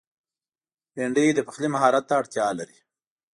بېنډۍ د پخلي مهارت ته اړتیا لري